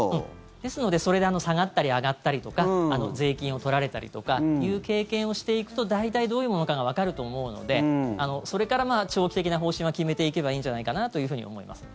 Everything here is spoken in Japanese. ですのでそれで下がったり上がったりとか税金を取られたりとかっていう経験をしていくと大体、どういうものかがわかると思うのでそれから長期的な方針は決めていけばいいんじゃないかなというふうに思います。